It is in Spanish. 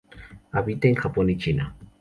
Habita en Japón y China.